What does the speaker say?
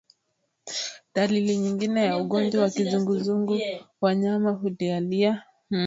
Dalili nyingine ya ugonjwa wa kizunguzungu wanyama hulialia hovyo